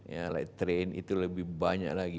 ya train itu lebih banyak lagi